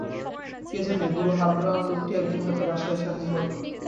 কে জানে, বুড়ো-হাবরা লোকটি একদিন হয়তো বাসায় এসে হাজির হবে।